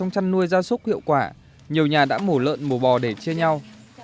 nhiều nhà đã mổ lợn mổ bò để chia nhau